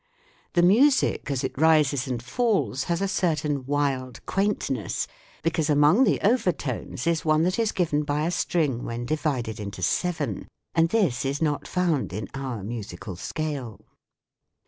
The music as it rises and falls has a certain wild quaintness, because among the overtones is one H2 THE WORLD OF SOUND that is given by a string when divided into seven, and this is not found in our musical scale.